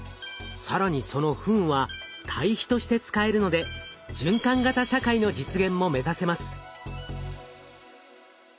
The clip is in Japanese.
更にそのフンは堆肥として使えるので循環型社会の実現も目指せます。